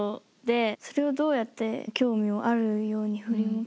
それをどうやって興味をあるように振り向かせるかがね。